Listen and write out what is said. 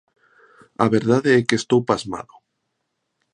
A verdade é que estou pasmado.